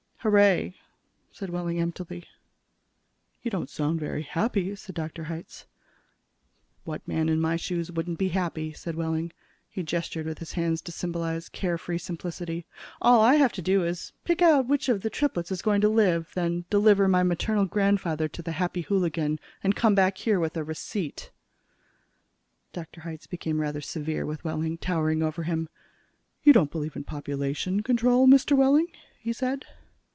"Hooray," said Wehling emptily. "You don't sound very happy," said Dr. Hitz. "What man in my shoes wouldn't be happy?" said Wehling. He gestured with his hands to symbolize care free simplicity. "All I have to do is pick out which one of the triplets is going to live, then deliver my maternal grandfather to the Happy Hooligan, and come back here with a receipt." Dr. Hitz became rather severe with Wehling, towered over him. "You don't believe in population control, Mr. Wehling?" he said.